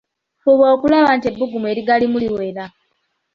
Fuba okulaba nti ebbugumu erigalimu liwera..